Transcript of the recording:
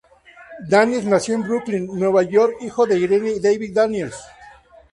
Daniels nació en Brooklyn, Nueva York, hijo de Irene y David Daniels.